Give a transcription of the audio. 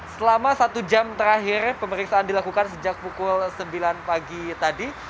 selama satu jam terakhir pemeriksaan dilakukan sejak pukul sembilan pagi tadi